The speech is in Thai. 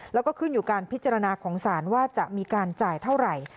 แล้วก็ขึ้นอยู่การพิจารณาของศาลว่าจะมีการจ่ายเท่าไหร่